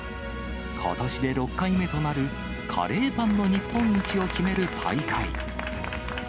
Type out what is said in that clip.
ことしで６回目となる、カレーパンの日本一を決める大会。